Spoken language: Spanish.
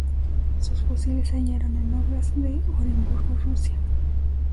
Sus fósiles se hallaron en Óblast de Oremburgo, Rusia.